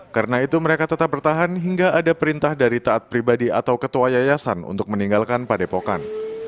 karena itu mereka tetap bertahan hingga ada perintah dari taat pribadi atau ketua yayasan untuk meninggalkan padepokan